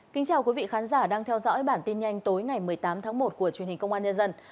kính chào quý vị khán giả đang theo dõi bản tin nhanh tối ngày một mươi tám tháng một của truyền hình công an nhân dân